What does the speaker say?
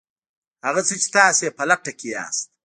هغه څه چې تاسې یې په لټه کې یاست